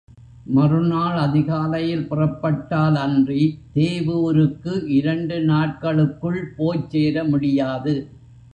மறுநாள் அதிகாலையில் புறப்பட்டாலன்றி, தேவூருக்கு இரண்டு நாட்களுக்குள் போய்ச் சேர முடியாது.